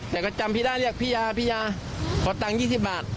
แต่ก็จำพี่ได้เรียกพี่ยาพี่ยาขอตังค์๒๐บาท